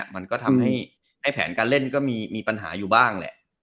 มันก็ทำให้แผนการเล่นก็มีปัญหาอยู่บ้างแหละ